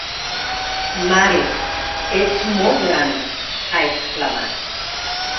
Mare, ets molt gran!, ha exclamat.